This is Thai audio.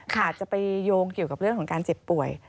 อาจจะไปโยงเกี่ยวกับเรื่องของการเจ็บป่วย